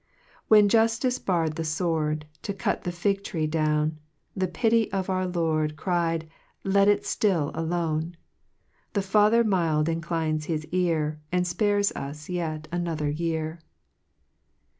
3 When juftice bar'd the fword To cut the fig tree down, The pity of "our Loud Cried, Let it (till alone : The Father mild inclines his ear, And fpares us yet another year.